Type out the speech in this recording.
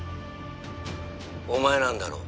お前なんだろう？